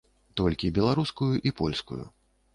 Толькі беларускую і польскую.